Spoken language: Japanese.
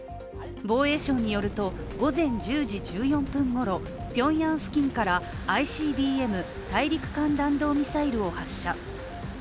防衛省によると午前１０時１４分ごろ平壌付近からＩＣＢＭ＝大陸間弾道ミサイルを発射。